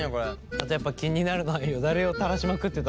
あとやっぱ気になるのはよだれをたらしまくってた。